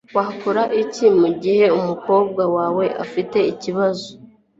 wakora iki mu gihe umukobwa wawe afite ikibazo